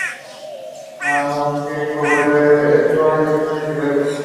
Aunque sobre esto hay opiniones diversas.